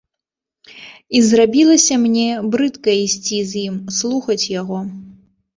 І зрабілася мне брыдка ісці з ім, слухаць яго.